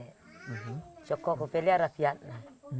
sejak kecil sudah biasa